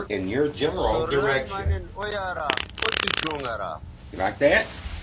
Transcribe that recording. سور لنڈ مہ نِن او یارااو تُو چوں گرا